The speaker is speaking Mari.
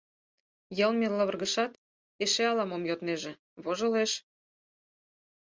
Йылме лывыргышат, эше ала-мом йоднеже — вожылеш.